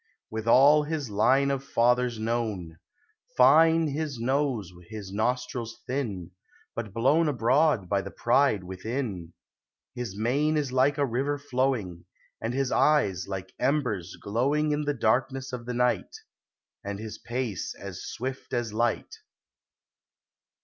With all his line of fathers known; Fine his nose, his nostrils thin, But blown abroad by the pride within! His mane is like a river flowing, And his eyes like embers glowing >V — 24 370 POEMS OF NATURE. In the darkness of the night, And his pace as swift as light.